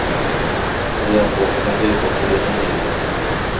Vy'apópe ndaje oikókuri oñondive.